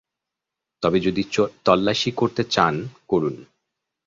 তবে যদি তল্লাশি করতে চান করুন।